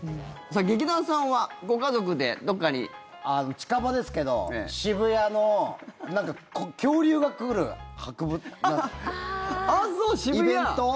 劇団さんはご家族でどっかに？近場ですけど渋谷のなんか恐竜が来るイベント。